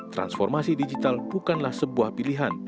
transformasi digital bukanlah sebuah pilihan